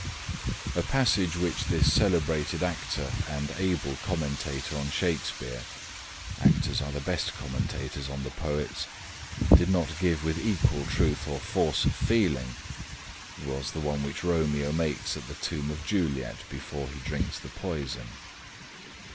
A passage which this celebrated actor and able commentator on Shakespeare (actors are the best commentators on the poets) did not give with equal truth or force of feeling was the one which Romeo makes at the tomb of Juliet, before he drinks the poison.